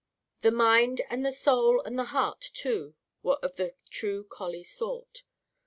The mind and the soul and the heart, too, were of the true collie sort.